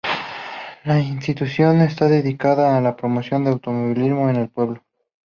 La institución está dedicada a la promoción del automovilismo en el pueblo.